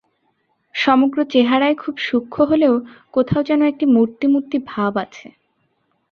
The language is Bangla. সমগ্র চেহারায় খুব সুক্ষ্ম হলেও কোথাও যেন একটি মূর্তি-মূর্তি ভাব আছে।